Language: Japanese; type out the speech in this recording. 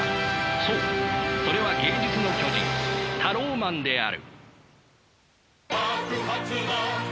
そうそれは芸術の巨人タローマンである。